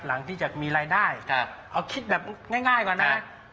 หลังจากมีรายได้เอาคิดแบบง่ายก่อนนะ